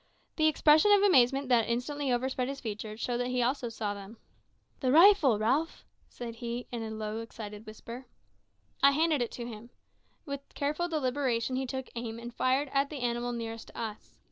The expression of amazement that instantly overspread his features showed that he also saw them. "The rifle, Ralph," he said, in a low, excited whisper. I handed it to him. With careful deliberation he took aim, and fired at the animal nearest to us.